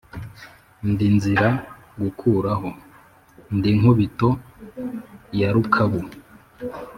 Ndi nzira gukuraho, ndi Nkubito ya Rukabu,